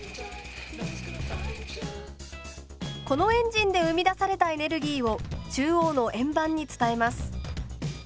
このエンジンで生み出されたエネルギーを中央の円盤に伝えます。